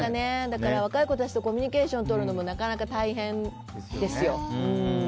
だから若い子たちとコミュニケーションとるのもなかなか大変ですよ。